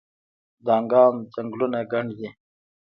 دانګام ځنګلونه ګڼ دي؟